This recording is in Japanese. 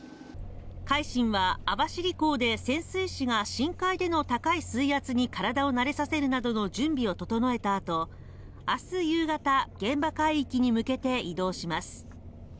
「海進」は網走港で潜水士が深海での高い水圧に体を慣れさせるなどの準備を整えたあと明日夕方、現場海域に向けて移動します。